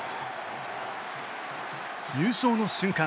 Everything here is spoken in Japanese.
優勝の瞬間